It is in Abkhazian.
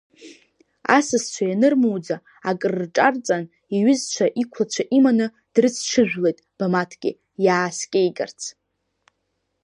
Асасцәа ианырмуӡа, акрырҿарҵан, иҩызцәа, иқәлацәа иманы дрыцҽыжәлеит Бамаҭгьы, иааскьеигарц.